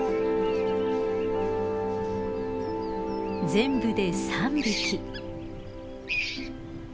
全部で３匹。